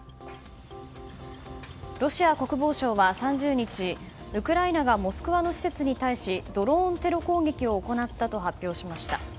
ロシア国防省は３０日ウクライナがモスクワの施設に対しドローンテロ攻撃を行ったと発表しました。